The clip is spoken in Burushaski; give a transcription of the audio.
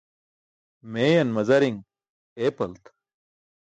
Meeyan mazari̇ṅ eepalt.